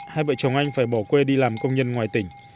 hai vợ chồng anh phải bỏ quê đi làm công nhân ngoài tỉnh